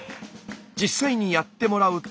実際にやってもらうと。